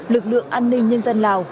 lực lượng an ninh nhân dân lào